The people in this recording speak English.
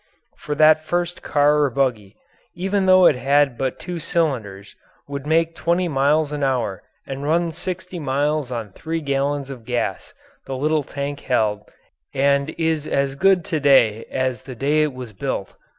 For that first car or buggy, even though it had but two cylinders, would make twenty miles an hour and run sixty miles on the three gallons of gas the little tank held and is as good to day as the day it was built.